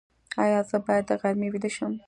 ایا زه باید د غرمې ویده شم؟